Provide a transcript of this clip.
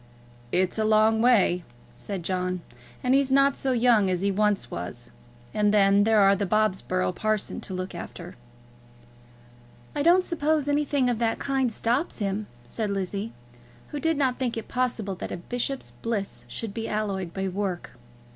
"It's a long way," said John, "and he's not so young as he was once; and then there are the Bobsborough parsons to look after." "I don't suppose anything of that kind stops him," said Lizzie, who did not think it possible that a bishop's bliss should be alloyed by work.